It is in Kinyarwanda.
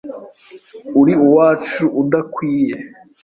Uri uwacu udukwiye